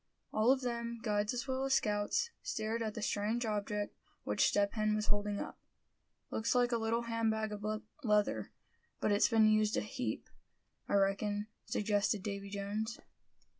All of them, guides as well as scouts, stared at the strange object which Step Hen was holding up. "Looks like a little hand bag of leather; but it's been used a heap, I reckon," suggested Davy Jones.